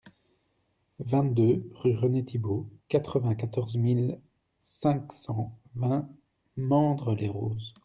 vingt-deux rue René Thibault, quatre-vingt-quatorze mille cinq cent vingt Mandres-les-Roses